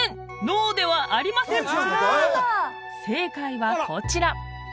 脳ではありません正解はこちら！